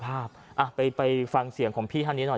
ไปฟังเสียงของพี่ท่านนี้หน่อย